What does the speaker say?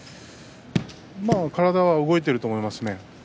体が動いていると思いますね。